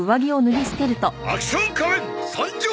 アクション仮面参上！